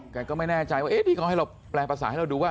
แกก็ไม่แน่ใจว่าที่เขาให้เราแปลภาษาให้เราดูว่า